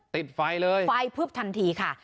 ติดไฟเลยไฟพึบทันทีค่ะ